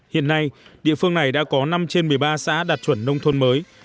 hiện nay địa phương này đã có năm trên một mươi ba xã đạt chuẩn nông thôn mới